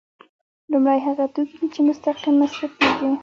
لومړی هغه توکي دي چې مستقیم مصرفیږي.